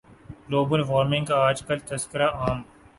global warming کا آج کل تذکرہ عام